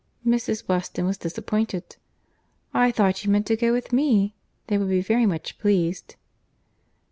Mrs. Weston was disappointed. "I thought you meant to go with me. They would be very much pleased."